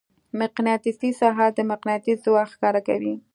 مقناطیسي ساحه د مقناطیس ځواک ښکاره کوي.